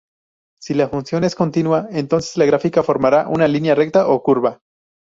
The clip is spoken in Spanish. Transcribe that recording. Si la función es continua, entonces la gráfica formará una línea recta o curva.